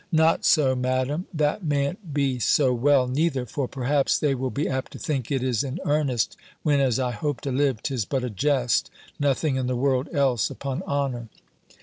"Not so, Madam, that mayn't be so well neither! For, perhaps, they will be apt to think it is in earnest; when, as I hope to live, 'tis but a jest: nothing in the world else, upon honour!"